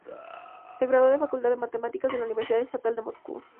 Se graduó de Facultad de Matemáticas de la Universidad Estatal de Moscú.